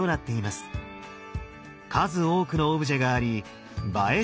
数多くのオブジェがあり映え